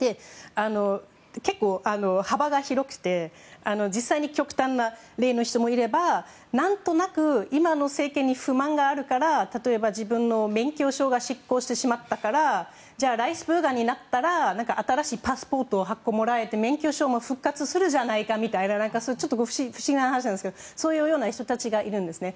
結構幅が広くて実際に極端な例の人もいれば何となく今の政権に不満があるから例えば、自分の免許証が失効してしまったからじゃあライヒスビュルガーになったら新しいパスポートをもらえて免許証も復活するじゃないかみたいなちょっと不思議な話なんですけどそういう人たちがいるんです。